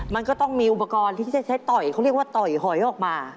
มันก็ต้องมีอุปกรณ์ที่จะใช้ต่อยฮอยออกมา